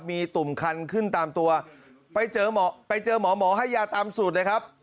มีตุ่มคันขึ้นตามตัวไปเจอหมอไปเจอหมอหมอให้ยาตามสูตรเลยครับ